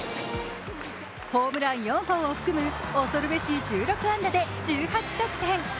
ホームラン４本を含む恐るべし１６安打で１８得点。